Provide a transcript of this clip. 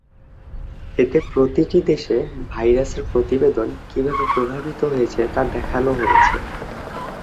এতে প্রতিটি দেশে ভাইরাসের প্রতিবেদন কীভাবে প্রভাবিত হয়েছে তা দেখানো হয়েছে।